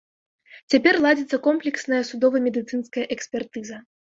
Цяпер ладзіцца комплексная судова-медыцынская экспертыза.